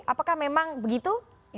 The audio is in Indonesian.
apakah memang begitu